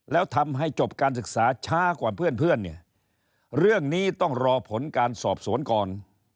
แล้วทำให้จบการศึกษาช้ากว่าเพื่อนเนี่ยเรื่องนี้ต้องรอผลการสอบสวนก่อน